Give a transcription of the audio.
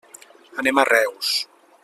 Anem a Reus.